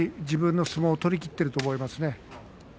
自分の相撲を取りきっていると思います。